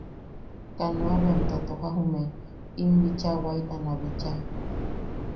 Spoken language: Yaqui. Kanoa bea am totoja jume, im bicha waitana bicha.